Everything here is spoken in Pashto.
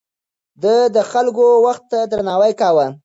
ده د خلکو وخت ته درناوی کاوه.